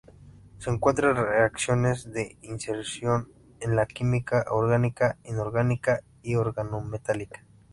Se encuentran reacciones de inserción en la química orgánica, inorgánica y organometálica.